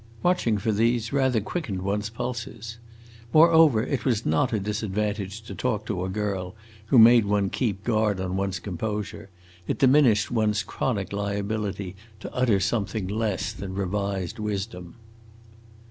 Watching for these rather quickened one's pulses. Moreover, it was not a disadvantage to talk to a girl who made one keep guard on one's composure; it diminished one's chronic liability to utter something less than revised wisdom.